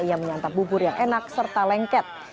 ia menyantap bubur yang enak serta lengket